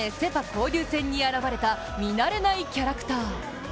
交流戦に現れた見慣れないキャラクター。